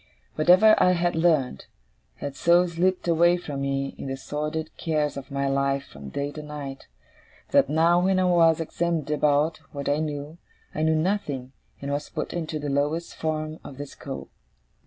Whatever I had learnt, had so slipped away from me in the sordid cares of my life from day to night, that now, when I was examined about what I knew, I knew nothing, and was put into the lowest form of the school.